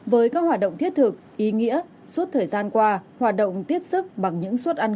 với các hoạt động thiết thực ý nghĩa suốt thời gian qua hoạt động tiếp sức bằng những suất ăn